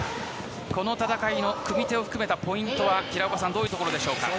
この戦いの組み手を含めたポイントはどういうところでしょうか。